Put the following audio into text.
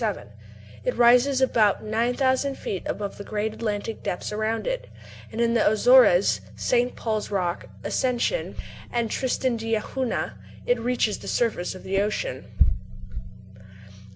It rises about 9000 feet above the great Atlantic depths around it, and in the Azores, St. Paul's Rocks, Ascension, and Tristan d'Acunha it reaches the surface of the ocean.